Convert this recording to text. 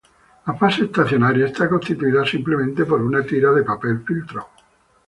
La fase estacionaria está constituida simplemente por una tira de papel filtro.